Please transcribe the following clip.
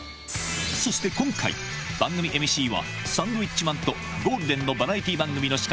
そして今回、番組ＭＣは、サンドウィッチマンとゴールデンのバラエティ番組司会